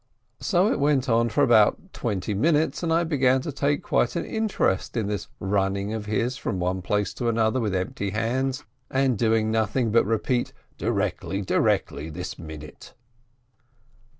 8 110 SPEKTOR So it went on for about ten minutes, and I began to take quite an interest in this running of his from one place to another, with empty hands, and doing nothing but repeat "Directly, directly, this minute